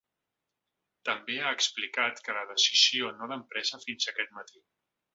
També ha explicat que la decisió no l’han presa fins aquest matí.